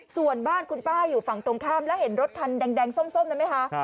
ส่วนบ้านคุณป้าอยู่ฝั่งตรงข้ามแล้วเห็นรถคันแดงส้มนั้นไหมคะ